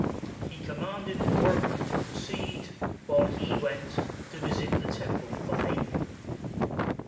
He commanded the workmen to proceed, while he went to visit the temple of Ammon.